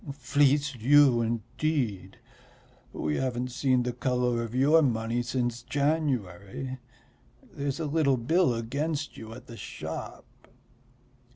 "Fleece you, indeed! We haven't seen the colour of your money since January. There's a little bill against you at the shop."